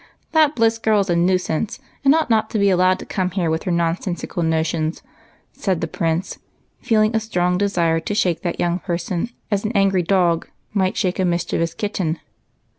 " That Bliss girl is a nuisance, and ought not to be allowed to come here with her nonsensical notions," said the Prince, feeling a strong desire to shake that young person as an angry dog might shake a mis chievous kitten.